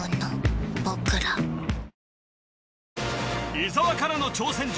伊沢からの挑戦状